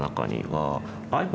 はい。